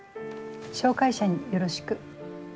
紹介者によろしく。